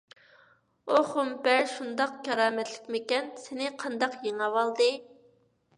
ئۇ خۇمپەر شۇنداق كارامەتلىكمىكەن؟ سېنى قانداق يېڭىۋالدى؟